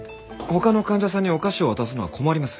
他の患者さんにお菓子を渡すのは困ります。